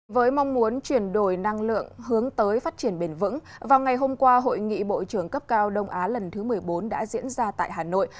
với mong muốn chuyển đổi năng lượng hướng tới phát triển bền vững vào ngày hôm qua hội nghị bộ trưởng cấp cao đông á lần thứ một mươi bốn đã diễn ra tại hà nội